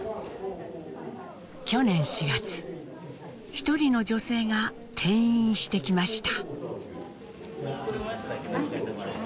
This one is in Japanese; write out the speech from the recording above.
一人の女性が転院してきました。